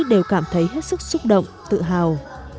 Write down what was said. đều cảm thấy hết sức xúc động tự hào